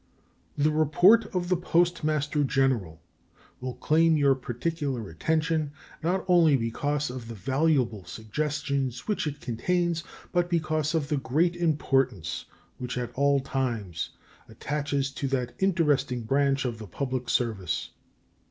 The report of the Postmaster General will claim your particular attention, not only because of the valuable suggestions which it contains, but because of the great importance which at all times attaches to that interesting branch of the public service.